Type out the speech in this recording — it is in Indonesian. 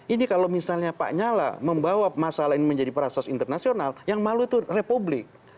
ini kalau misalnya pak nyala membawa masalah ini menjadi proses internasional yang malu itu republik